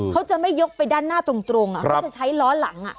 เขาจะไม่ยกไปด้านหน้าตรงเขาจะใช้ล้อหลัง